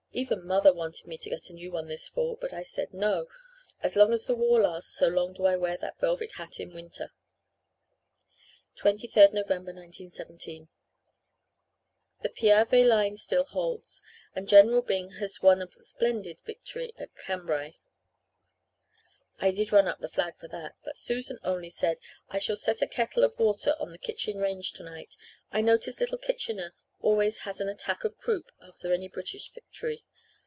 Even mother wanted me to get a new one this fall; but I said, 'No.' As long as the war lasts so long do I wear that velvet hat in winter." 23rd November 1917 "The Piave line still holds and General Byng has won a splendid victory at Cambrai. I did run up the flag for that but Susan only said 'I shall set a kettle of water on the kitchen range tonight. I notice little Kitchener always has an attack of croup after any British victory.